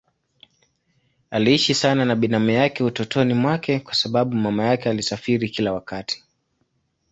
Aliishi sana na binamu yake utotoni mwake kwa sababu mama yake alisafiri kila wakati.